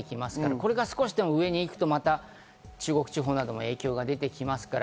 これが少しでも上に行くと、また中国地方などに影響が出てきます。